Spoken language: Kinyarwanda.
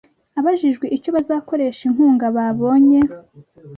Abajijwe icyo bazakoresha inkunga babonye